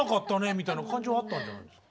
みたいな感じはあったんじゃないですか？